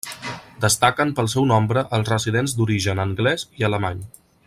Destaquen pel seu nombre els residents d'origen anglés i alemany.